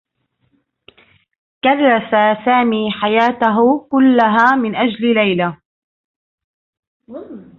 كرّس سامي حياته كلّها من أجل ليلى.